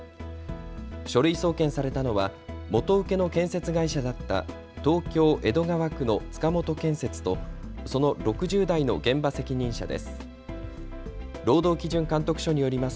書類送検されたのは元請けの建設会社だった東京江戸川区の塚本建設とその６０代の現場責任者です。